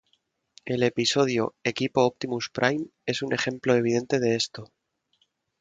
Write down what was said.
El Episodio "Equipo Optimus Prime" es un ejemplo evidente de esto.